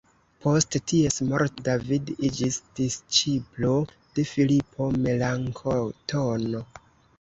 Post ties morto David iĝis disĉiplo de Filipo Melanktono.